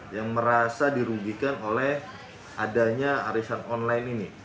yang merasa dirugikan oleh adanya arisan online ini